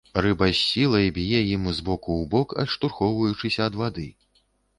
Рыба з сілай б'е ім з боку ў бок, адштурхоўваючыся ад вады.